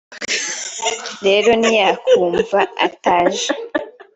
rero ntiyakumva ataje